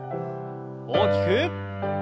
大きく。